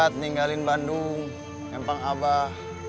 mendinggalin bandung empang abah